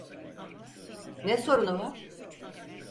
Ne sorunu var?